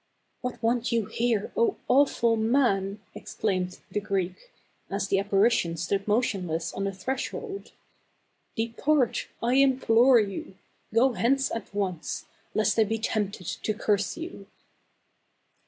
" What want you here, O awful man ? 99 ex claimed the Greek, as the apparition stood motion less on the threshold. " Depart, I implore you ; go hence at once, lest I be tempted to curse you."